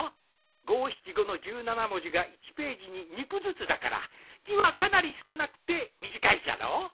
五・七・五の１７文字が１ページに２句ずつだから字はかなり少なくて短いじゃろう？